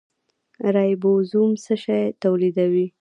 رایبوزوم څه شی تولیدوي؟